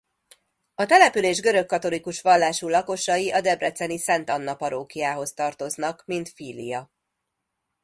A település görögkatolikus vallású lakosai a Debreceni Szent Anna-parókiához tartoznak mint filia.